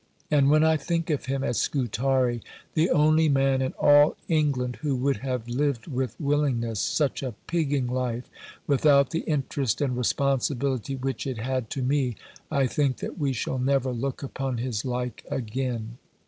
And when I think of him at Scutari, the only man in all England who would have lived with willingness such a pigging life, without the interest and responsibility which it had to me, I think that we shall never look upon his like again.